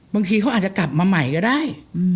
บางทีเขาอาจจะกลับมาใหม่ก็ได้